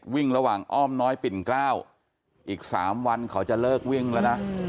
วิ่งระหว่างอ้อมน้อยปิ่นเกล้าอีก๓วันเขาจะเลิกวิ่งแล้วนะ